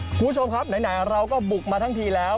คุณผู้ชมครับไหนเราก็บุกมาทั้งทีแล้ว